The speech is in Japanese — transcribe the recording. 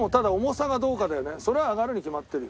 それは上がるに決まってるよ。